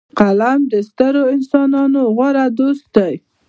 قلم د سترو انسانانو غوره دوست دی